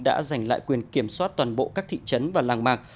đã giành lại quyền kiểm soát toàn bộ các thị trấn và làng mạc